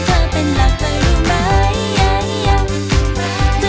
มันตำรับ